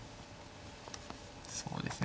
そうですね